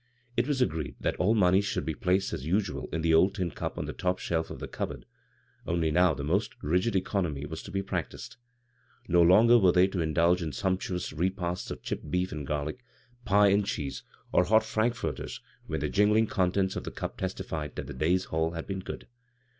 It was agreed that ail moneys should be placed as usual In the old tin cup cui the top shelf of the cupboard, only now the most rigid economy was to be practiced. No longer were they to indulge in sumptuous re 133 b, Google CROSS CURRENTS pasts of chipped beef and gaiiic; pie and cheese, or hot frankfurters, when the jingling contents of the cup testified that the day's haul had been good.